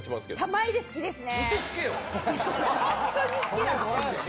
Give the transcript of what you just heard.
玉入れ好きですね。